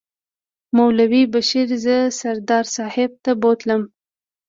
مولوي بشیر زه سردار صاحب ته بوتلم.